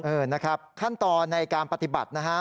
เออนะครับขั้นตอนในการปฏิบัตินะฮะ